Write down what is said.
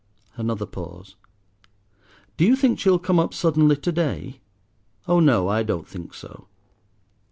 Another pause. "Do you think she'll come up suddenly to day?" "Oh no, I don't think so."